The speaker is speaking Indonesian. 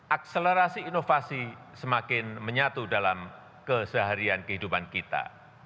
akselerasi inovasi semakin menyatu dalam keseharian kehidupan kita